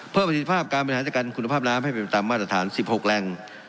ประสิทธิภาพการบริหารจัดการคุณภาพน้ำให้เป็นตามมาตรฐาน๑๖แรง